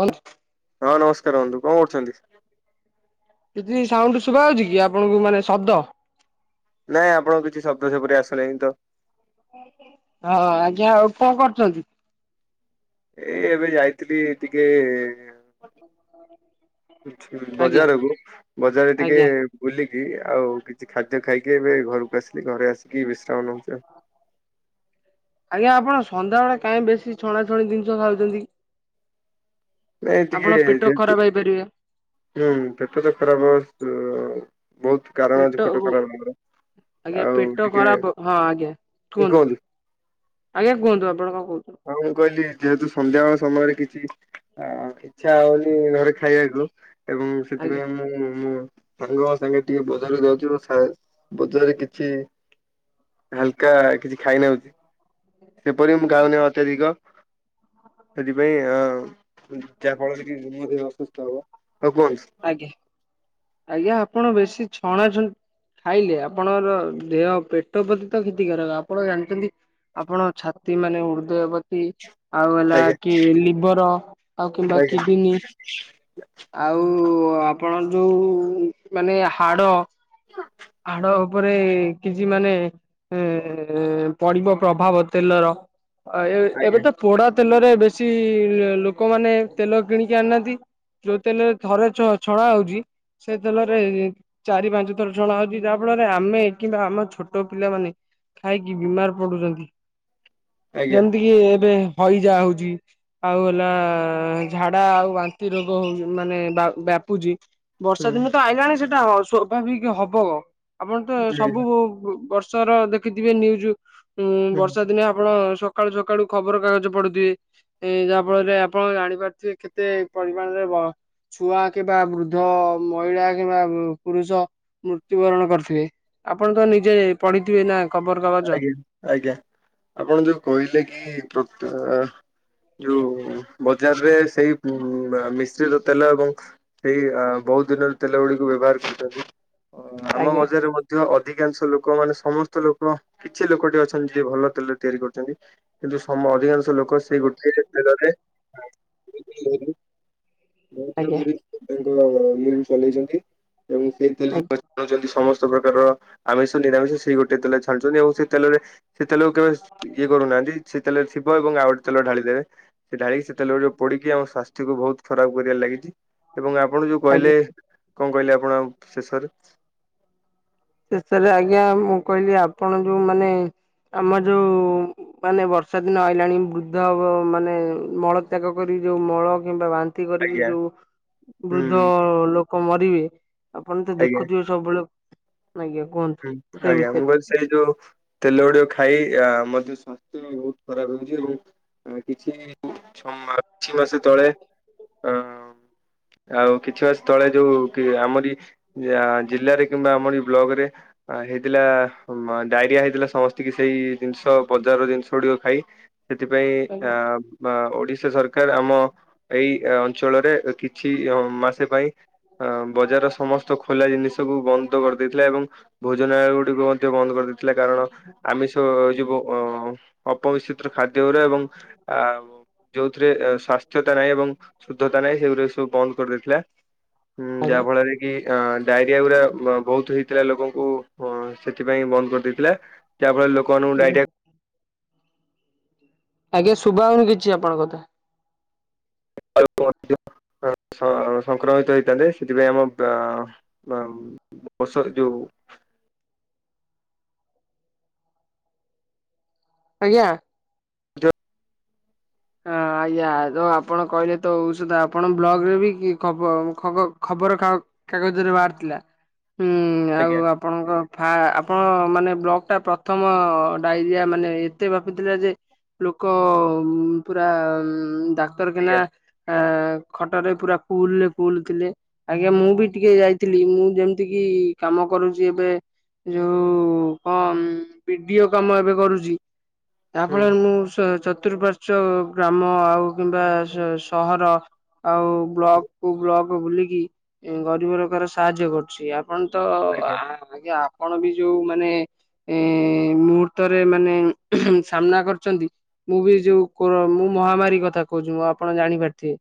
ମାନେ? ହଁ ନମସ୍କାର ବନ୍ଧୁ, କଣ କରୁଛନ୍ତି? କିିଛି ସାଉଣ୍ଡୁ ଶୁଭା ହଉଛି କି ଆପଣଙ୍କୁ ମାନେ ଶବ୍ଦ? ନାଇଁ ଆପଣଙ୍କ କିଛି ଶବ୍ଦ ସେପରି ଆସୁନାହିଁ ତ। ହଁ ଆଜ୍ଞା ଆଉ କଣ କରୁଚନ୍ତି? ଏ ଏବେ ଯାଇଥିଲି ଟିକେ [unintelligible] ଆଜ୍ଞା ବଜାରକୁ ବଜାରରେ ଟିକେ ଆଜ୍ଞା ବୁଲିକି ଆଉ କିଛି ଖାଦ୍ୟ ଖାଇକି ଏବେ ଘରକୁ ଆସିଲି, ଘରେ ଆସିକି ବିଶ୍ରାମ ନଉଛି ଆଉ। ଆଜ୍ଞା ଆପଣ ସନ୍ଧ୍ୟାବେଳେ କାଇଁ ବେଶୀ ଛଣାଛଣି ଜିନିଷ ଖାଉଛନ୍ତି? ନାଇଁ ଟିକେ ଆପଣ ପେଟ ଯେହେତୁ ଖରାପ ହେଇପାରିବେ। ହୁଁ, ପେଟ ତ ଖରାପ ହବ [unintelligible] ବହୁତ। କାରଣ ଅଛି ପେଟ ଖରାପ ହେବାର, ଆଜ୍ଞା ଆଉ ପେଟ ଟିକେ ଖରାପ ହଁ ଆଜ୍ଞା। ଏ କୁହନ୍ତୁ ଆଜ୍ଞା କୁହନ୍ତୁ ଆପଣ କଣ କହୁଥିଲେ? ହଁ ମୁଁ କହିଲି ଯେହେତୁ ସନ୍ଧ୍ୟାବେଳ ସମୟରେ କିଛି ଆଁ ଇଚ୍ଛା ହଉନି ଘରେ ଖାଇବାକୁ ଏବଂ ଆଜ୍ଞା ସେଥିପାଇଁ ମୁଁ ମୁଁ ସାଙ୍ଗଙ୍କ ସାଙ୍ଗେ ଟିକେ ବଜାରକୁ ଯାଉଚି ସା- ବଜାରେ କିଛି ହାଲକା କିଛି ଖାଇ ନେଉଚି। ସେପରି ମୁଁ ଖାଉନି ଅତ୍ୟଧିକ, ସେଥିପାଇଁ ଆ ଯାହା ଫଳରେ କି ମୋ ଦେହ ଅସୁସ୍ଥ ହବ, ହଁ କୁହନ୍ତୁ। ଆଜ୍ଞା ଆପଣ ବେଶୀ ଛଣା ଛୁଣି ଖାଇଲେ ଆପଣଙ୍କର ଦେହ ପେଟ ପ୍ରତି ତ କ୍ଷତିକାରକ। ଆପଣ ଜାଣିଚନ୍ତି ଆପଣ ଛାତି ମାନେ ହୃଦୟ ପ ତି ଆଉ ହେଲା ଆଜ୍ଞା କି ଲିଭର୍ ଆଉ କିମ୍ବା ଆଜ୍ଞା କିଡନୀ ଆଉ ଆପଣ ଯୋଉ ମାନେ ହାଡ ହାଡ ଉପରେ କିଛି ମାନେ ଏ, ପଡିବ ପ୍ରଭାବ ତେଲର। ଅ, ଏ ଏବେ ଆଜ୍ଞା ତ ପୋଡ଼ା ତେଲରେ ବେଶୀ ଏ ଲୋକମାନେ ତେଲ କିଣିକି ଆଣୁନାହାନ୍ତି। ଯୋଉ ତେଲ ଘରେ ଛ- ଛଣା ହଉଛି ସେ ତେଲରେ ଏ ଚାରି ପାଞ୍ଚ ଥର ଛଣା ହଉଚି ଯାହା ଫଳରେ ଆମେ କିମ୍ବା ଆମ ଛୋଟ ପିଲାମାନେ ଖାଇକି ବିମାର ପଡୁଚନ୍ତି। ଆଜ୍ଞା ଯେମିତି କିି ଏବେ ହଇଜା ହଉଛି ଆଉ ହେଲା ଝାଡା ଆଉ ବାନ୍ତି ରୋଗ ହଉ ମାନେ ବା-ବ୍ୟାପୁଚି ହୁଁ ବର୍ଷା ଦିନ ତ ଆଇଲାଣି ସେଟା ସ୍ୱଭାବିକ ହବ। ଆପଣ ତ ସବୁ ଆଜ୍ଞା। ବର୍ଷର ଦେଖିଥିବେ ନ୍ୟୁଜ୍? ଉଁ ହୁଁ, ବର୍ଷା ଦିନେ ଆପଣ ସକାଳୁ ସକାଳୁ ଖବର କାଗଜ ପଢୁଥିବେ। ଏ ଯାହା ଫଳରେ ଆପଣ ଜାଣିପାରୁଥିବେ କେତେ ପରିମାଣରେ ବ ଛୁଆ କିମ୍ବା ବୃଦ୍ଧ ମହିଳା କିମ୍ବା ପୁରୁଷ ମୃତ୍ୟୁ ବରଣ କରିଥିବେ ଆପଣ ତ ନିଜେ ପଢିଥିବେ ନା? ଖବର କାଗଜ ଆଜ୍ଞା ଆଜ୍ଞା ଆପଣ ଯୋଉ କହିଲେ କି ମୃତ୍ୟୁ ଯୋଉ ବଜାରରେ ସେଇ ଉ ମିଶ୍ରୀତ ତେଲ ଏବଂ ସେଇ ବହୁତ ଦିନରୁ ତେଲ ଗୁଡିକୁ ବ୍ୟବହାର କରୁଚନ୍ତି। ଓ ଆମ ଆଜ୍ଞା ବଜାରରେ ମଧ୍ୟ ଅଧିକାଂଶ ଲୋକମାନେ ସମସ୍ତଙ୍କୁ ତ କିଛି ଲୋକଟେ ଅଛନ୍ତି ଯିଏ ଭଲ ତେଲରେ ତିଆରି କରୁଛନ୍ତି। କିନ୍ତୁ ସମ ଅଧିକାଂଶ ଲୋକ ସେଇ ଗୋଟିଏ ତେଲରେ ଆଜ୍ଞା [unintelligible] ତାଙ୍କ [unintelligible] ଚଲେଇଛନ୍ତି ଏବଂ ସେଇଥିରେ ସମସ୍ତେ ସବୁ ପ୍ରକାରର ଆମିଷ, ନିରାମିଷ ସେଇ ଗୋଟେ ତେଲରେ ଛାଡୁଛନ୍ତି ଏବଂ ସେ ତେଲରେ ସେ ତେଲକୁ କେବେ ଇଏ କରୁନାହାନ୍ତି ସେଇ ତେଲରେଥିବ ଏବଂ ଆଉ ଗୋଟେ ତେଲ ଢାଳି ଦେବେ। ସେ ଢାଳିକି ସେ ତେଲକୁ ପୋଡିକି ଆମ ସ୍ୱାସ୍ଥ୍ୟକୁ ବହୁତ ଖରାପ କରିବାରେ ଲାଗିଛି ଏବଂ ଆପଣ ଯୋଉ ଆଜ୍ଞା। କହିଲେ କଣ କହିଲି ଆପଣ ଆମକୁ ଶେଷରେ? ଶେଷରେ ଆଜ୍ଞା ମୁଁ କହିଲି ଆପଣ ଯୋଉ ମାନେ ଆମ ଯୋଉ ମାନେ ବର୍ଷା ଦିନ ଆଇଲାଣି ବୃଦ୍ଧମାନେ ମଳ ତ୍ୟାଗ କରି ଯୋଉ ମଳ କିମ୍ବା ବା ନ୍ତି କରିକି ଆଜ୍ଞା ଯୋଉ ବୃଦ୍ଧ ହୁଁ ଲୋକ ମରିବେ ଆପଣ ତ ଆଜ୍ଞା ଦେଖୁଥିବେ ସବୁବେଳେ ଆଜ୍ଞା କୁହନ୍ତୁ? ହୁଁ, ସେ ଆଜ୍ଞା ବିଷୟରେ। ମୁଁ କ ସେଇ ଯୋଉ ତେଲ ଗୁଡିିକ ଖାଇ ଆ ମଧ୍ୟ ସ୍ୱାସ୍ଥ୍ୟ ବି ବହୁତ ଖରାପ ହେଉଛି ଏବଂ ଆ କିଛି ଛ ମାସେ ତଳେ ଅ ଆଉ କିଛି ବାସ ତଳେ ଯୋଉ କି ଆମରି ଯା ଜିଲ୍ଲାରେ କିମ୍ବା ଆମର ଏ ବ୍ଲକ ରେ ହେଇଥିଲା ଡାଇରିଆ ହେଇଥିଲା ସମ ସ୍ତିକି ସେଇ ଜିନିଷ ବଜାରର ଜିନିଷ ଗୁଡିକ ଖାଇ ସେଥିପାଇଁ ଆଜ୍ଞା ଆଁ ବା ଓଡିଶା ସର କାର ଆମ ଏଇ ଅଞ୍ଚଳରେ କିଛି ମାସେ ପାଇଁ ଅ ବଜାରର ସମସ୍ତ ଖୋଲା ଜିନିଷକୁ ବନ୍ଦ କରିଦେଇଥିଲା ଏବଂ ଭୋଜନାଳୟ ଗୁଡ଼ିକୁ ମଧ୍ୟ ବନ୍ଦ କରିଦେଇଥିଲା କାରଣ ଆମିଷ ଏଯଉ ଅ ଅପମିଶ୍ରିତ ଖାଦ୍ୟଗୁରା ଏବଂ ଆ ଯୋଉଥିରେ ସ୍ୱାସ୍ଥ୍ୟତା ନାହିଁ ଏବଂ ଶୁଦ୍ଧତା ନାହିଁ ସେଗୁରିକ ସବୁ ବନ୍ଦ କରିଦେଇଥିଲା। ହୁଁ ଆଜ୍ଞା ଯାହା ଫଳରେ କି କି ଡାଇରିଆ ଗୁରା ବହୁତ ହେଇଥିଲା ଲୋକଙ୍କୁ ସେଥିପାଇଁ ବନ୍ଦ କରିଦେଇଥିଲା। ଯାହା ଫଳରେ ଲୋକ ମାନଙ୍କୁ ଡାଇରିଆ ଆଜ୍ଞା! ଶୁଭାହଉନି କିଛି ଆପଣଙ୍କ କଥା। ମଧ୍ୟ ସଂକ୍ରମିତ ହେଇଥାନ୍ତେ ସେଥିପାଇଁ ଆମ ଓସର ଯଉ ଆଜ୍ଞା! ଯ ହଁ, ଆଜ୍ଞା ତ ଆପଣ କହିଲେ ତ ଔଷଧ ଆପଣ ବ୍ଲଗ ରେ ବି କି ଖବ ଖବର କା କାଗଜରେ ବାହାରି ଥିଲା ହୁଁ ଆଉ ଆଜ୍ଞା ଆପଣଙ୍କ ଫା ଆପଣ ମାନେ ବ୍ଲକ୍ ଟା ପ୍ରଥମ ଡାଇରିଆ ମାନେ ଏତେ ବ୍ୟାପିଥିଲା ଯେ ଲୋକ ପୁରା ଡାକ୍ତର ଖାନା ଆଜ୍ଞା ଆ ଖଟରେ ପୁରା ଫୁଲରେ ଫୁଲ ଥିଲେ। ଆଜ୍ଞା ମୁଁ ବି ଟିକେ ଯାଇଥିଲି ମୁଁ ଯେମତିକିି କାମ କରୁଚି ଏବେ ଏ ଯୋଉ କଣ ପିଡିଓ କାମ ଏବେ କରୁଚି। ଯାହା ହୁଁ ଫଳରେ ମୁଁ ସ ଚତୁପାର୍ ଚ ଗ୍ରାମ ଆଉ କିମ୍ବା ସ-ସହର ଆଉ ବ୍ଲକକୁ ବ୍ଲକ ବୁଲିକି ଏ ଗରିବ ଲୋକର ସାହାଯ୍ୟ କରୁଚି ଆ ଆପଣ ତ ଆ ଆଜ୍ଞା ଆଜ୍ଞା ଆପଣ ବି ଯୋଉ ମାନେ ଏ ମୁହୂର୍ତ୍ତରେ ମାନେ ସାମ୍ନା କରିଚନ୍ତି ମୁଁ ବି ଯୋଉ କୋରୋ ମୁଁ ମହାମାରୀ କଥା କୋହୁଚି ମୁଁ ଆପଣ ଜାଣିପାରିଥିବେ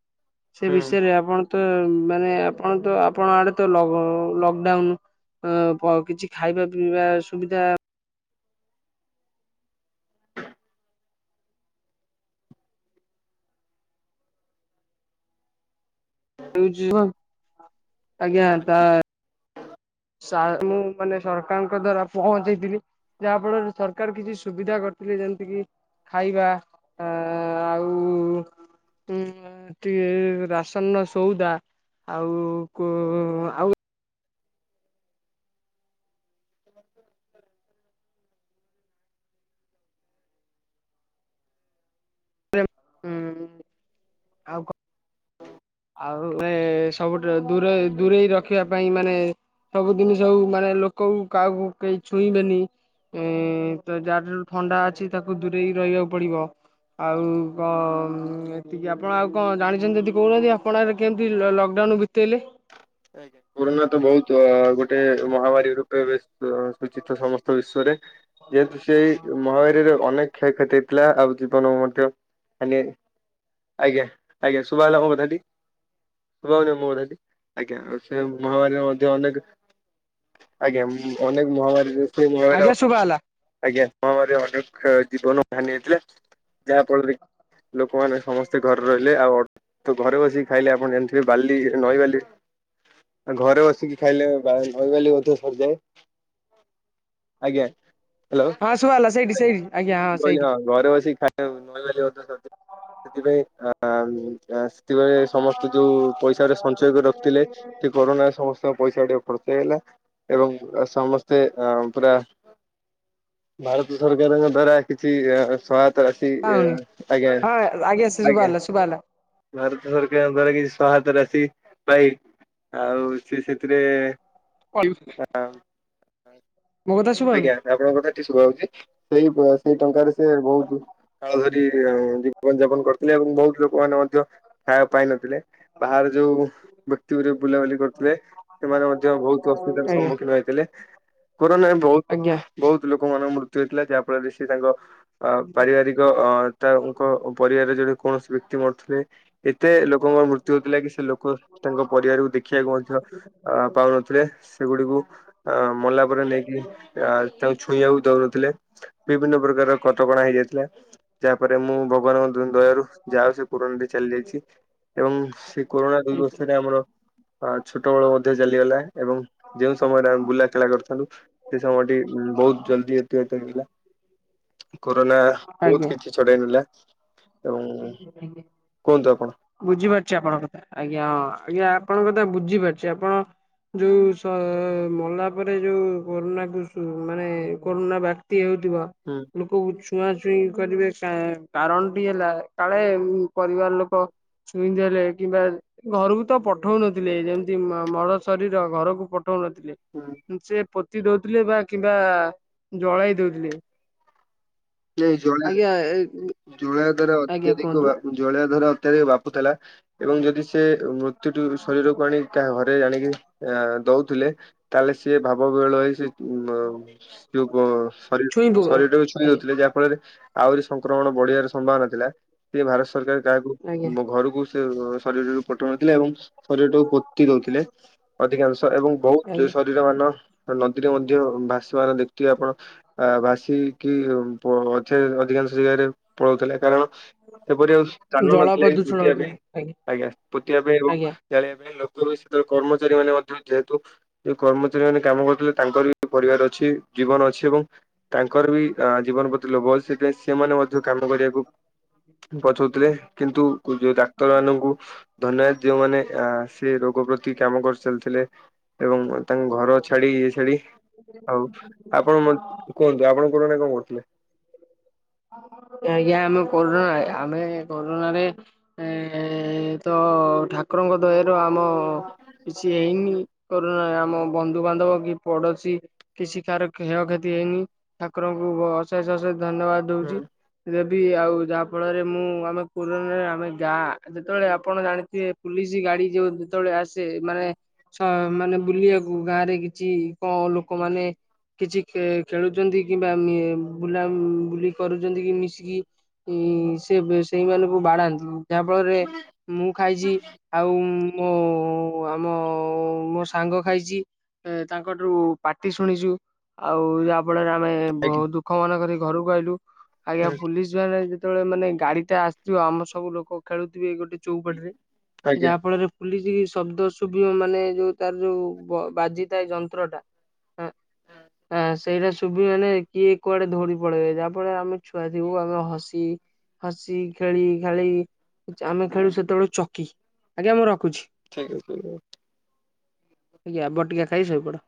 ସେ ହୁଁ। ଆଜ୍ଞା। ବିଷୟରେ ଆପଣ ତ ମାନେ ଆପଣ ତ ଆପଣ ଆଡେ ତ ଲଗ ଲଗଡାଉନ ଅଁ ପ କିଛି ଖାଇବା ପିଇବା ସୁବିଧା ହେଉଚି କ ଆଜ୍ଞା ତା ସାର୍ ମୁଁ ମାନେ ସରକାରଙ୍କ ଦ୍ଵାରା ପହଞ୍ଚେଇଥିଲି। ଯାହାଫଳରେ ସରକାର କିଛି ସୁବିଧା କରିଥିଲେ ଯେମତିକି ଖାଇବା ଆ ଆଉ ଉଁ ଆ ଟିକେ ରାସନର ସଉଦା ଆଉ କୋ ଆଉ ହୁଁ ଆଉ କ ଆଉ [unintelligible] ସବୁଠାରେ ଦୂରେ ଦୂରେଇ ରଖିବା ପାଇଁ ମାନେ ସବୁ ଦିନିଷକୁ ମାନେ ଲୋକ ଉ କାହାକୁ କେହି ଛୁଇଁବେନି। ଏଁ ତ ଯାହାଠାରୁ ଥଣ୍ଡା ଅଛି ତାକୁ ଦୂରେଇକି ରହିବାକୁ ପଡିବ। ଆଉ କଣ ଏତିକି ଆପଣ ଆଉ କଣ ଜାଣିଛନ୍ତି ଯଦି କୋହୁନାହାନ୍ତି ଆ ଆପଣାରେ କେମତି ଲ-ଲକଡାଉନ ବିତେଇଲେ? ଆଜ୍ଞା। କରୋନା ତ ବୋହୁତ ଆ ଗୋଟେ ମହାମାରୀ ରୂପେ ବେଶ ତ ସୂଚିତ ସମସ୍ତ ବିଶ୍ଵରେ। ଯେହେତୁ ସେଇ ମହାମାରୀର ଅନେକ କ୍ଷୟକ୍ଷତି ହେଇଥିଲା ଆଉ ଜୀବନକୁ ମଧ୍ୟ ମାନେ ଆଜ୍ଞା ଆଜ୍ଞା ଶୁଭାଗଲା ମୋ କଥାଟି ଶୁଭାହୋଉଚି ମୋ କଥାଟି? ଆଜ୍ଞା ସେ ମହାମାରୀରେ ମଧ୍ୟ ଅନେକ ଆଜ୍ଞା ଅନେକ ମହାମାରୀରେ ସେ ଆଜ୍ଞା ମହାମାରୀରେ ଶୁଭା ହେଲା ଆଜ୍ଞା ମହାମାରୀ ଅନେକ ଜୀବନ ହାନି ହେଇଥିଲା। ଯାହାଫଳରେ ଲୋକମାନେ ସମସ୍ତେ ଘରେ ରହିଲେ ଆଉ ଅ ଘରେ ବସିକି ଖାଇଲେ ଆପଣ ଜାଣିଥିବେ ବାଲି ନଈ ବାଲି ଆଉ ଘରେ ବସିକି ଖାଇଲେ ବା ନଈବାଲି ମଧ୍ୟ ସରିଯାଏ। ଆଜ୍ଞା। ହ୍ୟାଲୋ ହଁ ଶୁଭାଗଲା ସେଇଠି ସେଇଠି ଆଜ୍ଞା ମୁଁ ହଁ କହିଲି ସେଇଠି। ଘରେ ବସିିକି ଖାଇଲେ ନଈବାଲି ମଧ୍ୟ ସରିଯା ସେଥିପାଇଁ ଆ ଆ ସେଥିପାଇଁ ଏ ସମସ୍ତେ ଯୋଉ ପଇସାଉରା ସଞ୍ଚୟ କରି ରଖିଥିଲେ କରୋନାରେ ସମସ୍ତଙ୍କ ପଇସା ଟିକେ ଖର୍ଚ୍ଚ ହେଇଗଲା। ଏବଂ ଅ ସମସ୍ତେ ଅ ପୁରା ଭାରତ ସରକାରଙ୍କ ଦ୍ଵାରା କିଛି ଆ ସହାୟ ତା ରାଶି ଏ ପାଉନି। ଆଜ୍ଞା ହଁ ସେ ଶୁଭା ଆଜ୍ଞା। ହେଲା ଶୁଭା ହେଲା ଭାରତ ସରକାରଙ୍କ ଦ୍ଵାରା କିଛି ସହାୟତା ରାଶି ପାଇ ଆଉ ସେ ସେଥିରେ କ [unintelligible] ଏ ଅମ୍ ମୋ କଥା ଶୁବାହୋଉନି? ନା ଆପଣଙ୍କ କଥା ଠିକ୍ ଶୁଭା ହୋଉଚି ସେହି ସେହି ଟଙ୍କାରେ ସେ ବୋହୁତୁ କାଳ ଧରି [unintelligible] ଜୀବନ ଯାପନ କରିଥିଲେ ଏବଂ ବୋହୁତ ଲୋକମାନେ ମଧ୍ୟ ଖାଇବାକୁ ପାଇନଥିଲେ। ବାହାରେ ଯୋଉ ମୃତୁରେ [unintelligible] ବୁଲାବୁଲି କରୁଥିଲେ ସେମାନେ ମଧ୍ୟ ବୋହୁତ ଅସୁବିଧାର ସମ୍ମୁଖୀନ ହେଇଥିଲେ କୋରୋନା ଆଜ୍ଞା। ବୋହୁତ ଲୋକମାନଙ୍କ ମୃତ୍ୟୁ ହେଇଥିଲା ଯାହା ଫଳରେ ସେ ତାଙ୍କ ଅ ପାରିବାରିକ ଅ ତାଙ୍କ ପରିବାରରେ ଜଣେ କୌଣସି ବ୍ୟକ୍ତି ମରୁଥିଲେ ଏତେ ଲୋକଙ୍କର ମୃତ୍ୟୁ ହୋଇଥିଲା କି ସେ ଲୋକ ତାଙ୍କ ପରିବାରକୁ ଦେଖିବାକୁ ମଧ୍ୟ ଅ ପାଉନଥିଲେ ସେଗୁଡିକୁ ଅ ମଲା ପରେ ନେଇକି ଆ ତାଙ୍କୁ ଛୁଇଁବାକୁ ଦୋଉନଥିଲେ ବିଭିନ୍ନ ପ୍ରକାର କଟକଣା ହେଇଯାଇଥିଲା। ଯାହା ପରେ ମୁଁ ଭଗବାନଙ୍କ ଦୟାରୁ ଯାହା ହୋଉ ସେ କରୋନାଟି ଚାଲି ଯାଇଛି ଏବଂ ସେ କରୋନା ଦୁଇ ଆଜ୍ଞା। ବର୍ଷରେ ଆମର ଆ ଛୋଟବେଳ ମଧ୍ୟ ଚାଲିଗଲା ଏବଂ ଯେଉଁ ସମୟରେ ଆମେ ବୁଲା ଖେଳା କରିଥୁଲୁ ସେଇ ସମୟଟି ବୋହୁତ ଜଲଦି ଅତବାହିତ ହେଇଥିଲା। କରୋନା ବୋହୁତ କିଛି ଛଡ଼ଇ ନେଲା ଏବଂ କୁହନ୍ତୁ ଆପଣ ବୁଝିପାରୁଚି ଆପଣଙ୍କ କଥା ଆଜ୍ଞା ହଁ ଆଜ୍ଞା ଆପଣଙ୍କ କଥା ବୁଝିପାରୁଚି ଆପଣ ଯୋଉ ସ ମଲା ପରେ ଯୋଉ କୋରୋନା କୁ ମାନେ କୋରୋନା ବ୍ୟାକ୍ତି [inaudible] ହେଉଥିବ ହୁଁ। ଲୋକକୁ ଛୁଆଁଛୁଇଁ କରିବେ କା-କାରଣଟି ହେଲା କାଳେ ପରିବାର ଲୋକ ଛୁଇଁ ଦେଲେ କିମ୍ବା ଘରକୁ ତ ପଠଉନଥିଲେ ଯେମିତି ମ-ମର ଶରୀର ଘରକୁ ପଠଉନଥିଲେ। ହୁଁ। ସେ ପୋତି ଦୋଉଥିଲେ ବା କିମ୍ବା ଜଳାଇ ଦୋଉଥିଲେ। ଆଜ୍ଞା [unintelligible] ଜଳେଇବା ଦ୍ଵାର ଆଜ୍ଞା ଅତ୍ୟଧିକ କୁହନ୍ତୁ ବ୍ୟାପୁ ଜଳେଇବା ୟ ଦ୍ଵାର ଅତ୍ୟଧିକ ବାପୁଥିଲା ଏବଂ ଯଦି ସେ ମୃ ତ୍ୟୁଟୁ ଶରୀରକୁ ଆଣି କାହା ଘରେ ଆଣିକି ଆ ଦଉଥିଲେ ତାହେଲେ ସିଏ ଭାବ ବିହୋଳ ହେଇ ସେ ମୋ ଯୋଉ ଗୋ ଶରୀର ଛୁଇଁ ପୋକ ଶରୀରଟାକୁ ଛୁଇଁ ଆଜ୍ଞା ଦଉଥିଲେ ଯାହା ଫଳରେ ଆହୁରି ସଂକ୍ରମଣ ବଢିବାର ସମ୍ଭାବନା ଥିଲା। ଇଏ ଭାରତ ସରକାର କାହାକୁ ଆଜ୍ଞା ବୋ ଘରକୁ ମୃତ୍ୟୁ ଶରୀରଟିକୁ ପଠଉ ନଥିଲେ ଏବଂ ଶରୀରଟାକୁ ପୋ ତି ଦୋଉଥିଲେ ଅଧିକାଂଶ ଏବଂ ବୋହୁତ ଆଜ୍ଞା। ଶ ନଦୀର [unintelligible] ମାନ ନଦୀରେ ମଧ୍ୟ ଭାସିବାର ଦେଖଚି ଆପଣ ଆ ଭାସିକି ପ ଅଧି-ଅଧିକାଂଶ ଜାଗାରେ ପଳୋଉଥିଲେ କାରଣ ସେପରି ଆଉ ସ୍ଥାନ ଜଳ ନଥିଲା କି ପ୍ରଦୂଷଣ ପୋତିବା ହଉଥିଲା ପାଇଁ ଆଜ୍ଞା ପୋତିବା ପାଇଁ ଏଂବ ଆଜ୍ଞା ଜାଣିବା ପାଇଁ ଲୋକ ସେତେବେଳେ କର୍ମଚାରୀ ମାନେ ମଧ୍ୟ ଯେହେତୁ ଯୋଉ କର୍ମଚାରୀ ମାନେ କାମ କରୁଥିଲେ ତାଙ୍କର ବି ପରିବାର ଅଛି ଜୀବନ ଅଛି ଏବଂ ତାଙ୍କର ବି ଆଁ ଜୀବନ ପ୍ରତି ଲୋଭ ଅଛି। ସେଥିାଇଁ ସେମାନେ ମଧ୍ୟ କାମ କରିବାକୁ ପଛଉଥିଲେ କିନ୍ତୁ ଯୋଉ ଡାକ୍ତର ମାନଙ୍କୁ ଧନ୍ୟବାଦ ଯୋଉମାନେ ଆ ସେ ରୋଗ ପ୍ରତି କାମ କରିଚାଲିଥିଲେ ଏବଂ ତାଙ୍କ ଘର ଛାଡି ଇଏ ଛାଡି ଆଉ ଆପଣ ମ କୁହନ୍ତୁ ଆପଣ କୋରୋନାରେ କଣ କରୁୁ ଆଜ୍ଞା ଆମେ କୋରୋନା ଆମେ କୋରୋନାରେ ଏଁ ତ ଠା କୁରଙ୍କ ଦୟାରୁ ଆମ କିଛି ହେଇନି କୋରୋନା ବନ୍ଧୁ ବାନ୍ଧବ କି ପଡୋଶୀ କିଛି କାହାର କ୍ଷୟ କ୍ଷତି ହେଇନି ଠାକୁରଙ୍କୁ ଅଶେଷ ଅଶେଷ ଧନ୍ୟବାଦ ହୁଁ ଦଉଚି। ଯେବି ଆଉ ଯାହା ଫଳରେ ମୁଁ ଆମେ କରୋନାରେ ଆମେ ଗାଁ ଯେତେବେଳେ ଆପଣ ଜାଣିଥିବେ। ପୁଲିସ ଗାଡି ଯୋଉ ଯେତେବେଳେ ଆସେ ମାନେ ମାନେ ବୁଲିଆକୁ ଗାଁ ରେ କିଛି କଆଁ ଲୋକମାନେ କିଛି ଖେଳୁଛନ୍ତି କିମ୍ବା ବୁଲା ବୁଲି କରୁଚନ୍ତି କି ମିଶିକି? ଉଁ ସେ ସେଇମାନଙ୍କୁ ବାଡାନ୍ତି ଯାହା ଫଳରେ ମୁଁ ଖାଇଛି ଆଉ ମୋ ଆମ ମୋ ସାଙ୍ଗ ଖାଇଛି। ଏ ତାଙ୍କଠୁ ପାଟି ଶୁଣିଛୁ, ଆଉ ଯାହା ଫଳରେ ଆମେ ଆଜ୍ଞା ବହୁତ ଫୋନ କରିକି ଘରକୁ ଆଇଲୁ ଆଜ୍ଞା ହୁଁ ପୁଲିସ କ ଯେତେବେଳେ ଯେତେବେଳେ ମାନେ ଗାଡି ଟା ଆସୁଥିବ ଆମ ସବୁ ଲୋକ ଖେଳୁଥିବେ ଗୋଟେ ଚଉପାଟିରେ ଆଜ୍ଞା ଯାହା ଫଳରେ ଫୁଲିଛି ଶବ୍ଦ ଶୁଭିବ ମାନେ ଯୋଉ ତାର ଯୋଉ ବାଜିଥାଏ ଯନ୍ତ୍ରଟା ହଁ। ହ ସେଇଟା ଶୁଭିବ ମାନେ କିଏ କୁଆଡେ ଧୋଡି ପଳେଇବେ ଯାହା ଫଳରେ ଆମେ ଛୁଆ ଥିବୁ ଆମେ ହସି ହସି ଖେଳି ଖେଳି ଆମେ ଖେଳୁ ସେତେବେଳଳେ ଚକି ଆଜ୍ଞା ମୁଁ ରଖୁଛି। [inaudible] ଆଜ୍ଞା ବଟିକା ଖାଇଶୋଇପଡ।